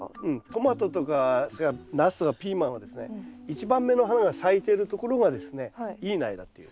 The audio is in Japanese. トマトとかそれからナスとかピーマンはですね一番目の花が咲いているところがですねいい苗だっていう。